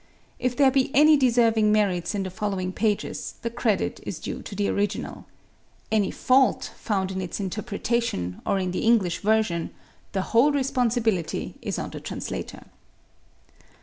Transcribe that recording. If there be any deserving merits in the following pages the credit is due to the original. Any fault found in its interpretation or in the English version, the whole responsibility is on the translator.